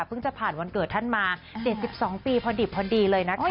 จะผ่านวันเกิดท่านมา๗๒ปีพอดิบพอดีเลยนะคะ